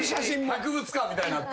博物館みたいになって。